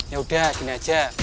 yaudah gini aja